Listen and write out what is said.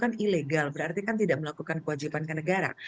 maka itu juga adalah hal yang harus kita lakukan tidak melakukan kewajipan ke negara